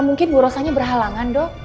mungkin bu rosanya berhalangan dok